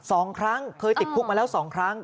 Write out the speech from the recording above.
สองครั้งเคยติดคุกมาแล้วสองครั้ง